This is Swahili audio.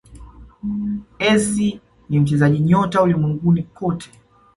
essi ni mchezaji nyota ulimwenguni kote